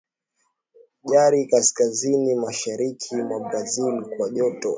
Jari kaskazini mashariki mwa Brazil kwa joto